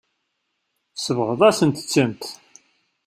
Tsebɣeḍ-asent-tent.